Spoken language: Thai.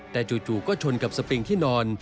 แต่จู่ก็ชนกับสปิงที่นอน